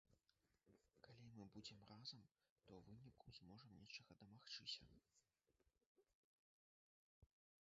Калі мы будзем разам, то ў выніку зможам нечага дамагчыся.